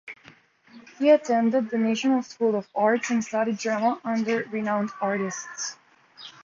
He attended the National School of Arts and studied drama under renowned artists.